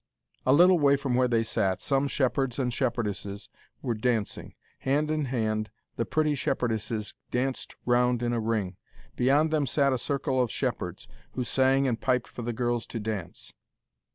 A little way from where they sat, some shepherds and shepherdesses were dancing. Hand in hand, the pretty shepherdesses danced round in a ring. Beyond them sat a circle of shepherds, who sang and piped for the girls to dance.